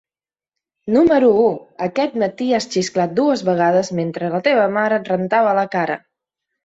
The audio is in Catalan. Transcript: Número u: aquest matí has xisclat dues vegades mentre la teva mare et rentava la cara.